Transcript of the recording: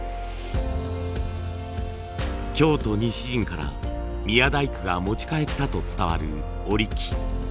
京都西陣から宮大工が持ち帰ったと伝わる織機。